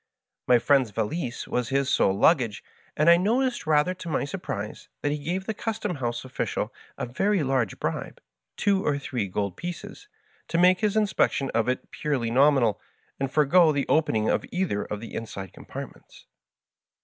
My friend's valise was his sole luggage, and I noticed^ rather to my surprise, that he gave the custom house official a very large bribe — two or three gold pieces — to make his inspection of it purely nominal, and forego the opening of either of the inside compartments.